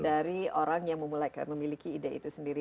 dari orang yang memiliki ide itu sendiri